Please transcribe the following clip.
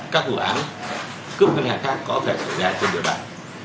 các vụ án cướp nguyên hạng khác có thể xảy ra trên đường đại